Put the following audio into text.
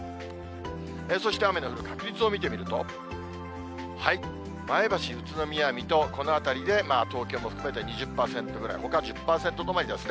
そして雨の降る確率を見てみると、前橋、宇都宮、水戸、この辺りで東京も含めて２０％ぐらい、ほか１０％止まりですね。